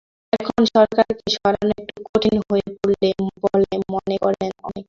এখন সরকারকে সরানো একটু কঠিন হয়ে পড়বে বলে মনে করেন অনেকে।